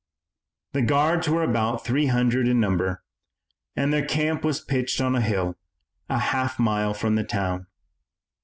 The guards were about three hundred in number, and their camp was pitched on a hill, a half mile from the town.